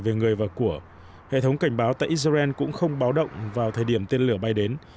về người và của hệ thống cảnh báo tại israel cũng không báo động vào thời điểm tên lửa bay đến